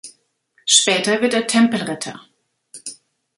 Später wird er Tempelritter.